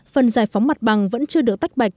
phần giải phóng mặt bằng vẫn chưa được tách bạch